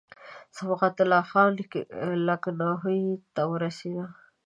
صبغت الله خان لکنهو ته ورسېدی.